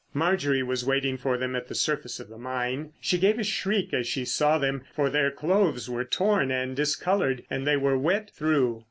Marjorie was waiting for them at the surface of the mine. She gave a shriek as she saw them, for their clothes were torn and discoloured, and they were wet through.